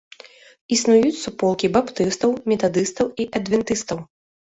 Існуюць суполкі баптыстаў, метадыстаў і адвентыстаў.